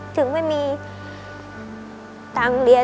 ตั้งเรียน